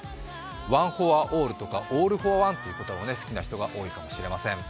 ワンフォアオールとか、オールフォアワンとか好きな人が多いかもしれません。